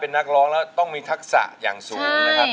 เป็นนักร้องแล้วต้องมีทักษะอย่างสูงนะครับ